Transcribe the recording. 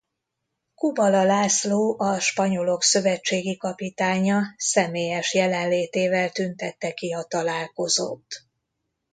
Kubala László a spanyolok szövetségi kapitánya személyes jelenlétével tüntette ki a találkozót.